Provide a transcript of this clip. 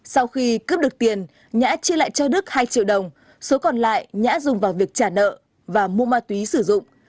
sau khi cướp được tiền nhã chia lại cho đức hai triệu đồng số còn lại nhã dùng vào việc trả nợ và mua ma túy sử dụng